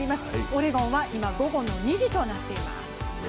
オレゴンは今、午後の２時となっています。